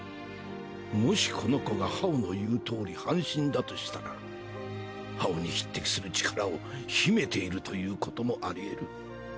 もしこの子が葉王の言うとおり半身だとしたら葉王に匹敵する力を秘めているということもありえる。